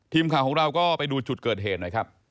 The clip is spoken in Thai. ทีมข่าวของเราก็ไปดูจุดเกิดเหตุหน่อยครับ